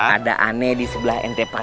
kalau dia ada di sebelah saya